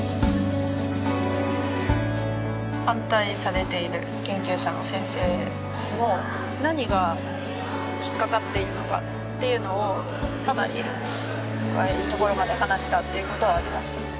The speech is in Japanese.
反対されている研究者の先生にも何が引っかかっているのかっていうのをかなり深いところまで話したっていうことはありましたね